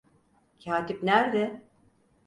Katip nerde?